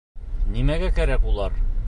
Нимәгә кәрәк улар?